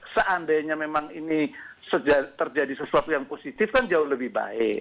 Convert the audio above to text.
seandainya memang ini terjadi sesuatu yang positif kan jauh lebih baik